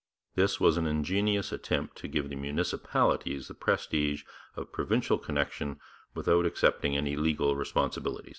This was an ingenious attempt to give the municipalities the prestige of provincial connection without accepting any legal responsibility.